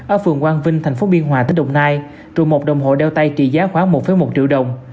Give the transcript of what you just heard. ở phường quang vinh tp biên hòa tỉnh đồng nai trụ một đồng hộ đeo tay trị giá khoảng một một triệu đồng